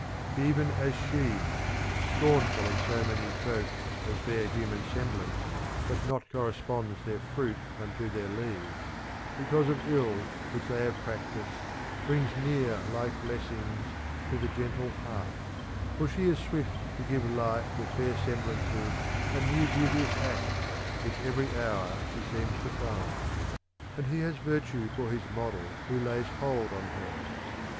Even as she, — scornful of so many folk as bear human semblance, but not corresponds their fruit unto their leaves, because of ill which they have prac tised,— brings near like blessings to the gentle heart; [io7] For she is swift to give life With fair semblances and new beauteous acts which every hour she seems to find : and he has virtue for his model who lays hold on her.